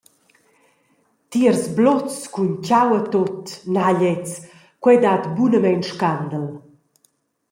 Tiers bluts cun tgau e tut, na gliez, quei dat bunamein scandel.»